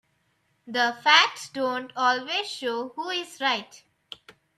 The facts don't always show who is right.